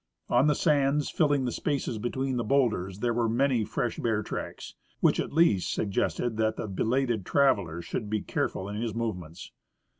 On the sands filling the spaces between the bowlders there were manj^ fresh bear tracks, which at least suggested that the belated trav eler should be careful in his movements.